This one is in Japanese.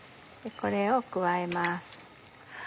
これを加えます。